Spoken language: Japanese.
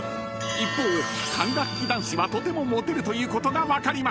［一方管楽器男子はとてもモテるということが分かりました。